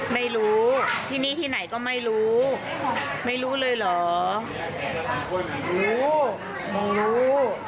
ไม่รู้ที่นี่ที่ไหนก็ไม่รู้ไม่รู้เลยเหรอรู้มึงรู้